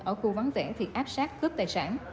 ở khu vắng vẻ thì áp sát cướp tài sản